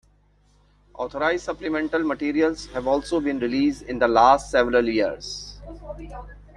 Authorized supplemental materials have also been released in the last several years.